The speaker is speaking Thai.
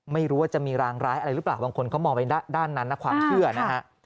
ไม่รู้ว่าจะมีรางร้ายอะไรหรือเปล่าบางคนเขามองไปด้านนั้นนะความเชื่อนะฮะ